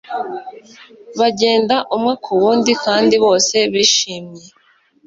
bagenda umwe ku wundi, kandi bose bishimye.